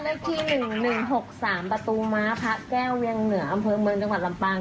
เลขที่๑๑๖๓ประตูม้าพระแก้วเวียงเหนืออำเภอเมืองจังหวัดลำปาง